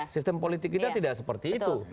sistem politik kita tidak seperti itu